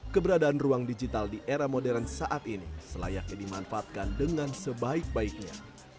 keberadaan ruang digital di era modern saat ini selayaknya dimanfaatkan dengan sebaik baiknya